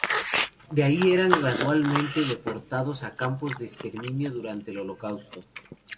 De ahí eran gradualmente deportados a campos de exterminio durante el Holocausto.